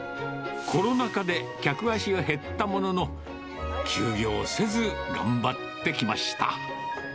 コロナ禍で客足は減ったものの、休業せず、頑張ってきました。